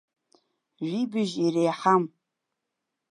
Жәибжь иреиҳам.